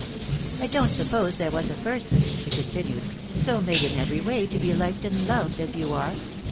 "I don't suppose there was a person," she continued, " so made in every way to be liked and loved as you are.